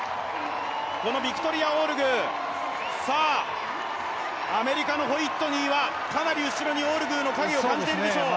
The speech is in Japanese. このビクトリア・オールグーアメリカのホイットニーはかなり後ろにオールグーの影を感じているでしょう。